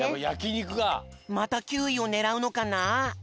また９いをねらうのかな？